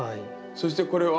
そしてこれは？